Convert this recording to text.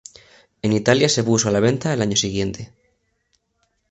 En Italia se puso a la venta el año siguiente.